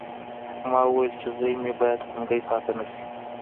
ما ویل چې زوی مې باید ګونګی پاتې نه شي